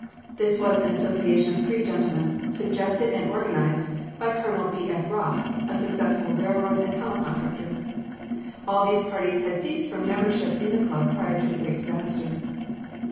This was an association of three gentlemen; suggested and organized by Colonel B. F. Ruff, a successful railroad and tunnel contractor. All these parties had ceased from membership in the club prior to the great disaster.